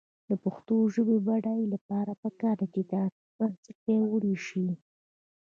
د پښتو ژبې د بډاینې لپاره پکار ده چې تاریخي بنسټ پیاوړی شي.